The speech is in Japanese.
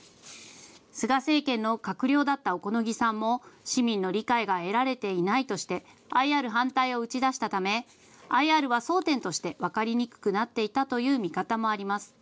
菅政権の閣僚だった小此木さんも市民の理解が得られていないとしてＩＲ反対を打ち出したためＩＲは争点として分かりにくくなっていたという見方もあります。